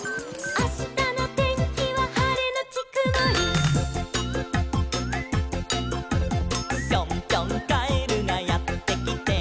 「あしたのてんきははれのちくもり」「ぴょんぴょんカエルがやってきて」